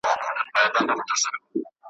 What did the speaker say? شاوخوا ټوله خالي ده بل ګلاب نه معلومیږي `